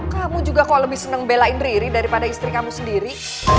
kamu juga kalau lebih seneng belain riri daripada istri kamu sendiri